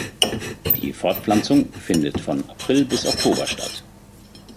Die Fortpflanzung findet von April bis Oktober statt.